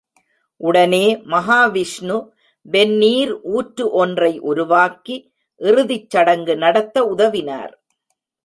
உடனே மகா விஷ்ணு வெந்நீர் ஊற்று ஒன்றை உருவாக்கி இறுதிச் சடங்கு நடத்த உதவினார்.